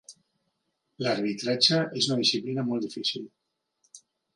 L'arbitratge és una disciplina molt difícil.